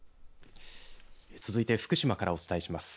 続いて福島からお伝えします。